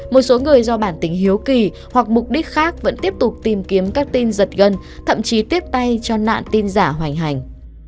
một số người do bản tính hiếu kỳ hoặc mục đích khác vẫn tiếp tục tìm kiếm các tin giật gần thậm chí tiếp tay cho nạn tin giả hoành hành